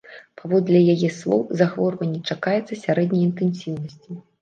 Паводле яе слоў, захворванне чакаецца сярэдняй інтэнсіўнасці.